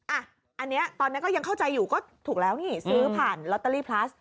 อันนี้ตอนนี้ก็ยังเข้าใจอยู่ก็ถูกแล้วนี่ซื้อผ่านลอตเตอรี่พลัส